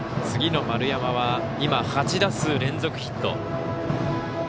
次の丸山は今、８打数連続ヒット。